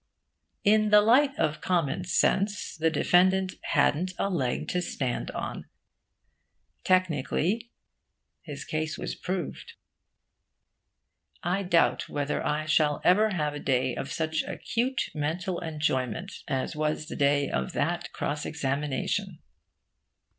In the light of common sense, the defendant hadn't a leg to stand on. Technically, his case was proved. I doubt whether I shall ever have a day of such acute mental enjoyment as was the day of that cross examination.